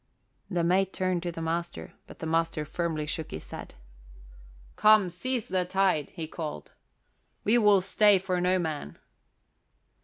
The mate turned to the master, but the master firmly shook his head. "Come, seize the tide," he called. "We will stay for no man."